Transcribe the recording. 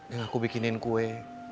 yang aku bikinin kue